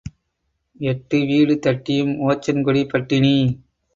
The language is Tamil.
எட்டு வீடு தட்டியும் ஓச்சன் குடி பட்டினி.